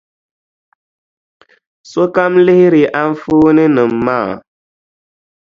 Sokam lihiri anfooninima maa.